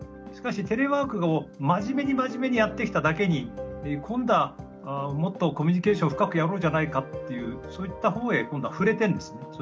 しかしテレワークを真面目に真面目にやってきただけに今度はもっとコミュニケーション深くやろうじゃないかっていうそういった方へ今度は振れてるんですね